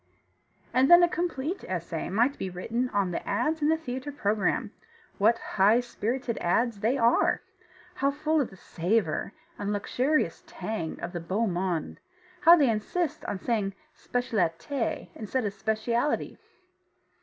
And then a complete essay might be written on the ads in the theatre program what high spirited ads they are! How full of the savour and luxurious tang of the beau monde! How they insist on saying specialité instead of specialty!